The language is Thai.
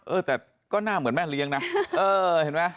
เออแต่ก็หน้าเหมือนแม่เลี้ยงนะเออเห็นไหม